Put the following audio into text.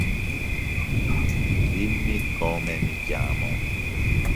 Nel doppio maschile si sono imposti Bob Lutz e Stan Smith.